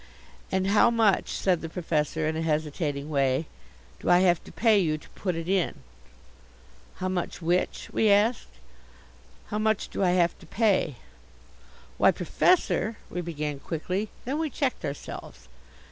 "And how much," said the Professor in a hesitating way, "do I have to pay you to put it in?" "How much which?" we asked. "How much do I have to pay?" "Why, Professor " we began quickly. Then we checked ourselves.